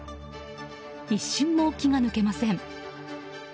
一瞬も気が抜けません。